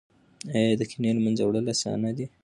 ایا د کینې له منځه وړل اسانه دي؟